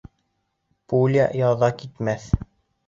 Пуля яҙа китмәҫ.